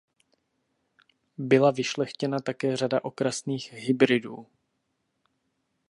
Byla vyšlechtěna také řada okrasných hybridů.